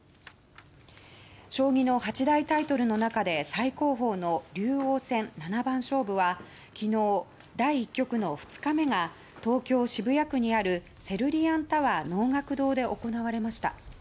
将棋の八大タイトルの中で最高峰の竜王戦七番勝負は昨日、第１局の２日目が東京・渋谷区にあるセルリアンタワー能楽堂で行われました。